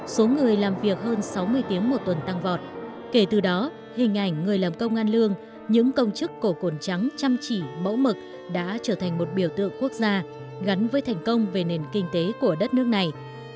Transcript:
số người làm việc hơn sáu mươi tiếng một tuần tăng vọt kể từ đó hình ảnh người làm công an lương những công chức cổ cồn trắng chăm chỉ mẫu mực đã trở thành một biểu tượng quốc gia gắn với thành công về nền kinh tế của đất nước này